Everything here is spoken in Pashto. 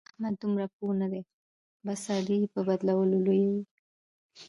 احمد دومره پوه نه دی؛ بس علي يې به بدلو لويوي.